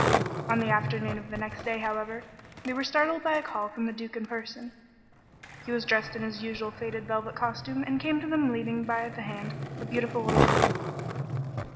On the afternoon of the next day, however, they were startled by a call from the Duke in person. He was dressed in his usual faded velvet costume and came to them leading by the hand a beautiful little girl.